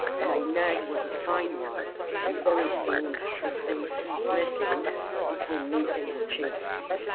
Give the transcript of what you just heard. My nag was a fine one, and very soon the space was lessened between me and the chase.